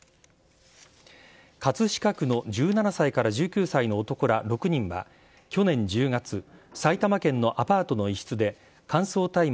葛飾区の１７歳から１９歳の男ら６人は去年１０月、埼玉県のアパートの一室で、乾燥大麻